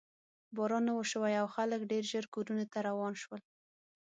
باران نه و شوی او خلک ډېر ژر کورونو ته روان شول.